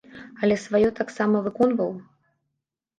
Але сваё таксама выконваў?